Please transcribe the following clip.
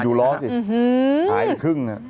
ดูล้อสิหายครึ่ง